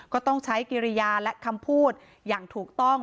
ก็ต้องใช้กิริยาและคำพูดอย่างถูกต้อง